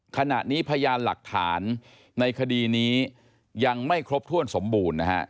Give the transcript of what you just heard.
ขณะนี้พยานหลักฐานในคดีนี้ยังไม่ครบถ้วนสมบูรณ์นะฮะ